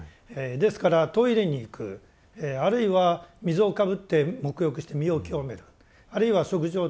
ですからトイレに行くあるいは水をかぶって沐浴して身を清めるあるいは食事をとる。